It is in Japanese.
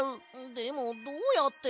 でもどうやって？